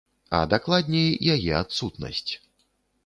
А дакладней, яе адсутнасць.